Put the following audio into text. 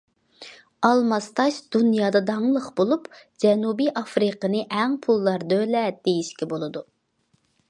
ئالماس تاش دۇنيادا داڭلىق بولۇپ، جەنۇبىي ئافرىقىنى ئەڭ پۇلدار دۆلەت دېيىشكە بولىدۇ.